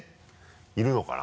いるのかな？